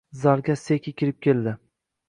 Zalga Seki kirib keldi